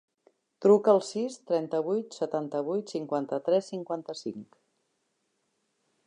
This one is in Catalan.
Truca al sis, trenta-vuit, setanta-vuit, cinquanta-tres, cinquanta-cinc.